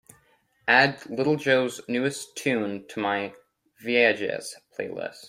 Add little joe newest tune to my viajes playlist